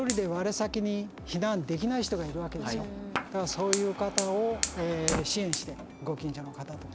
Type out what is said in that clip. そういう方を支援してご近所の方とか。